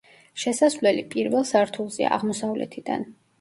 შესასვლელი პირველ სართულზეა, აღმოსავლეთიდან.